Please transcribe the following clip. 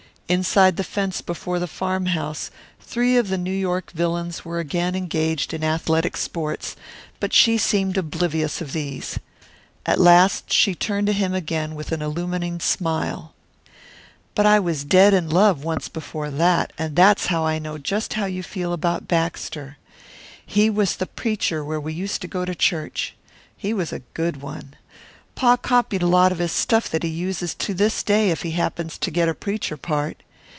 Inside the fence before the farmhouse three of the New York villains were again engaged in athletic sports, but she seemed oblivious of these. At last she turned to him again with an illumining smile. "But I was dead in love once before that, and that's how I know just how you feel about Baxter. He was the preacher where we used to go to church. He was a good one. Pa copied a lot of his stuff that he uses to this day if he happens to get a preacher part.